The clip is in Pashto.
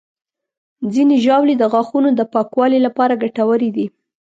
ځینې ژاولې د غاښونو د پاکوالي لپاره ګټورې دي.